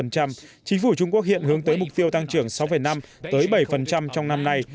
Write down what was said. chính phủ trung quốc hiện hướng tới mục tiêu tăng trưởng sáu năm tới bảy trong năm nay